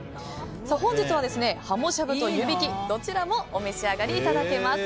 本日ははもしゃぶと湯引きどちらもお召し上がりいただきます。